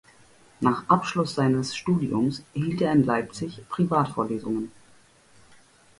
Nach Abschluss seines Studiums hielt er in Leipzig Privatvorlesungen.